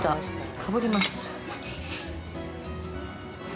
かぶります。